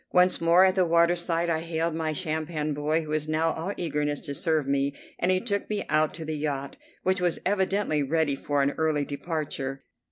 Once more at the waterside I hailed my sampan boy, who was now all eagerness to serve me, and he took me out to the yacht, which was evidently ready for an early departure.